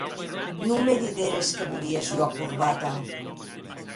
Non me dideres que volies ua corbata?